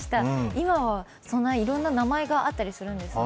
今は、そんないろいろな名前があったりするんですね。